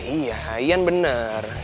iya ian bener